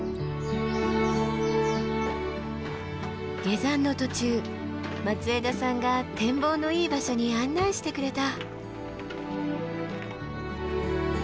下山の途中松枝さんが展望のいい場所に案内してくれた。